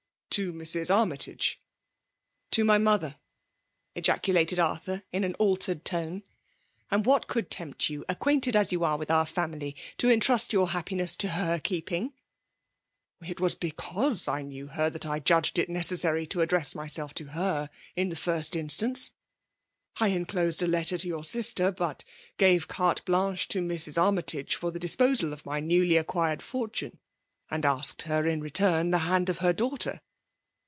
To Mrs. Armytage.'' To my mother !" ejaculated Arthur in on altered tone. " And what could tempt yoii« acquainted as you are with our family, to in trust your happiness to her keepng ?"'(«<< tt it reMA LE DOMlilAtrON: 195 '< It waiB because I know her, that I jndged k necessary io address myself to her in the flfvt itislaiiee. I enclosed a letter *to your sister ; but gave carte blanehe to Mrs. Army ' i«ge for the disposal of my newiy acqttired fortune^ and asked her in return the hand of her daughter."